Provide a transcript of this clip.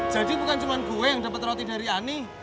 jadi bukan cuma gue yang dapet roti dari ani